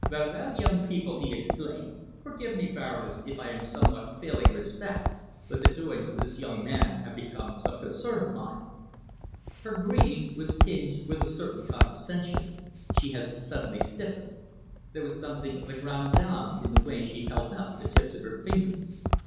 "Well, well, young people!" he exclaimed. "Forgive me, Baroness, if I am somewhat failing in respect, but the doings of this young man have become some concern of mine." Her greeting was tinged with a certain condescension. She had suddenly stiffened. There was something of the grande dame in the way she held up the tips of her fingers.